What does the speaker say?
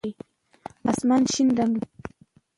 آسمان شین رنګ لري.